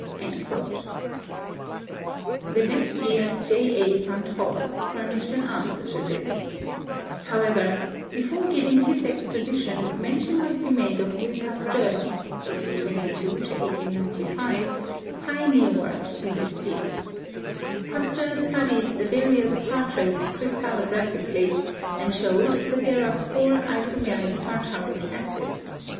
The next year J. H. Van't Hoff furnished an answer to this. However, before giving his exposition, mention must be made of Louis Pasteur's (1822 1895) pioneer work in this field. Pasteur studied the various tartrates crystal lographically, and showed that there are four isomeric tar taric acids, viz.